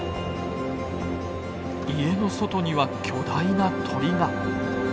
家の外には巨大な鳥が。